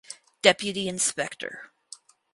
Deputy Inspector.